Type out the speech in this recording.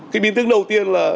cái biên tướng đầu tiên là